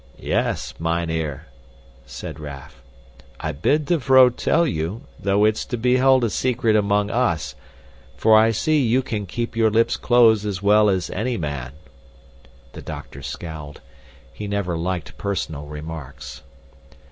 "Yes, mynheer," said Raff. "I bid the vrouw tell you, though it's to be held a secret among us, for I see you can keep your lips closed as well as any man." The doctor scowled. He never liked personal remarks.